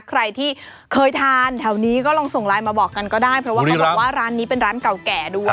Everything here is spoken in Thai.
ใครที่เคยทานแถวนี้ก็ลองส่งไลน์มาบอกกันก็ได้เพราะว่าเขาบอกว่าร้านนี้เป็นร้านเก่าแก่ด้วย